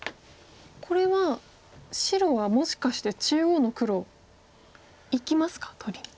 これは白はもしかして中央の黒いきますか取りに。